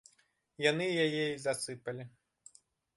Яны яе і засыпалі.